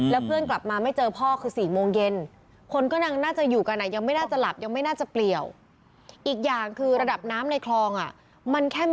แล้วเพื่อนกลับมาไม่เจอพ่อคือ๔โมงเย็น